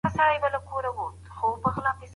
نو یوازي وایه ساندي